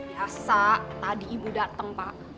biasa tadi ibu datang pak